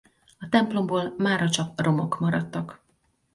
A templomból mára csak romok maradtak.